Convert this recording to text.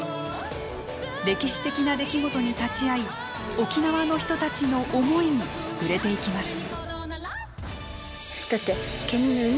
歴史的な出来事に立ち会い沖縄の人たちの思いに触れていきます。